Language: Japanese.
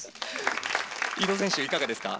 伊藤選手いかがですか？